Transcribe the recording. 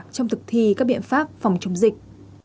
trong thực thi các biện pháp phòng chống dịch